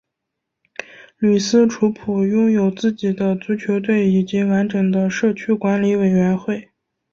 吕斯楚普拥有自己的足球队以及完整的社区管理委员会